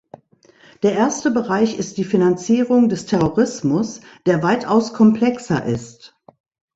Der erste Bereich ist die Finanzierung des Terrorismus, der weitaus komplexer ist.